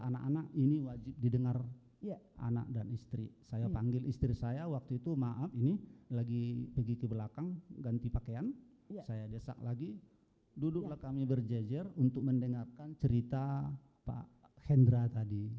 anak anak ini wajib didengar anak dan istri saya panggil istri saya waktu itu maaf ini lagi pergi ke belakang ganti pakaian saya desak lagi duduklah kami berjejer untuk mendengarkan cerita pak hendra tadi